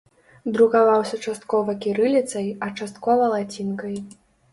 Друкаваўся часткова кірыліцай, а часткова лацінкай.